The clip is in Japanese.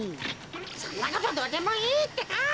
そんなことどうでもいいってか！